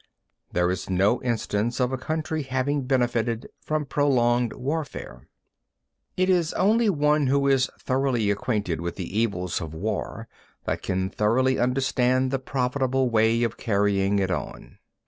6. There is no instance of a country having benefited from prolonged warfare. 7. It is only one who is thoroughly acquainted with the evils of war that can thoroughly understand the profitable way of carrying it on.